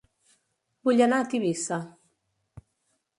Vull anar a Tivissa